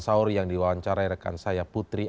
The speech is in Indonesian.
sahur yang diwawancarai rekan saya putri